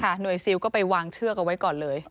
หน่วยซิลก็ไปวางเชือกเอาไว้ก่อนเลย